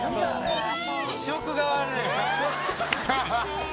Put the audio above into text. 気色が悪い。